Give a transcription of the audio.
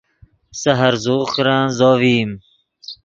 سے ہرزوغ کرن زو ڤئیم